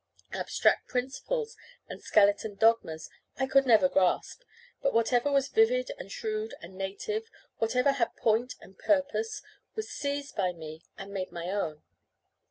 Abstract principles and skeleton dogmas I could never grasp; but whatever was vivid and shrewd and native, whatever had point and purpose, was seized by me and made my own.